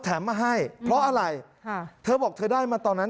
มาให้เพราะอะไรเธอบอกเธอได้มาตอนนั้น